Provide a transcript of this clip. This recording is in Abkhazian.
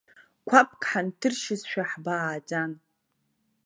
Қәабк ҳанҭыршьызшәа ҳбааӡан.